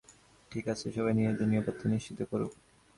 ঠিক আছে, সবাই নিজেদের নিরাপত্তা নিশ্চিত করুন।